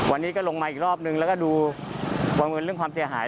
วันนี้ก็ลงมาอีกรอบนึงแล้วก็ดูประเมินเรื่องความเสียหาย